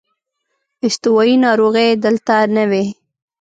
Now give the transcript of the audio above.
استوايي ناروغۍ دلته نه وې.